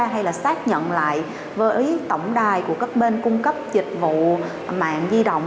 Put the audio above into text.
hay là xác nhận lại với tổng đài của các bên cung cấp dịch vụ mạng di động